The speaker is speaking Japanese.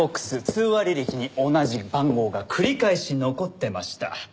通話履歴に同じ番号が繰り返し残ってました。